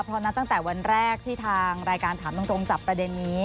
เพราะนับตั้งแต่วันแรกที่ทางรายการถามตรงจับประเด็นนี้